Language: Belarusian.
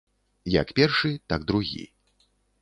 Як першы, так другі.